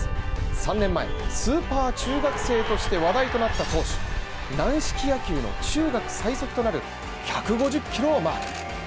３年前、スーパー中学生として話題となった当時軟式野球の中学最速となる１５０キロをマーク。